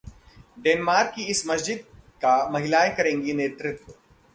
Denmark की इस मस्जिद का महिलाएं करेंगी नेतृत्व